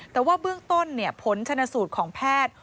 แต่ว่าเบื้องต้นผลชนสูตรของแพทย์